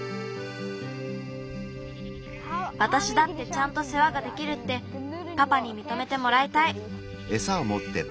わたしだってちゃんとせわができるってパパにみとめてもらいたい。